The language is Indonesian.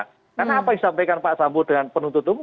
karena apa yang disampaikan pak sambo dengan penuntut umum